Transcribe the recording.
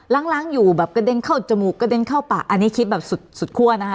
ล้างอยู่แบบกระเด็นเข้าจมูกกระเด็นเข้าปากอันนี้คิดแบบสุดคั่วนะคะ